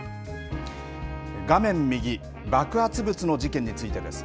画面右、爆発物の事件についてです。